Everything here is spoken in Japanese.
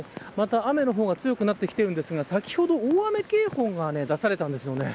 雨の方が強くなってきていますが先ほど大雨警報が出されたんですよね。